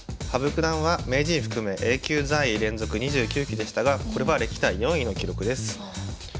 羽生九段は名人含めＡ級在位連続２９期でしたがこれは歴代４位の記録です。